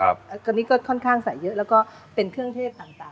อันนี้ก็ค่อนข้างใส่เยอะแล้วก็เป็นเครื่องเทศต่าง